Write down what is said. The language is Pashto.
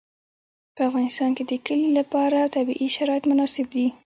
په افغانستان کې د کلي لپاره طبیعي شرایط مناسب دي.